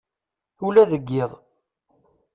Ula deg yiḍ.